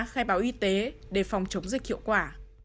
khai báo y tế để phòng chống dịch hiệu quả